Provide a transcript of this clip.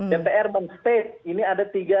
dpr men state ini ada tiga